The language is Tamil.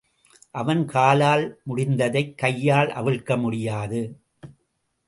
அவன் காலால் முடிந்ததைக் கையால் அவிழ்க்க முடியாது.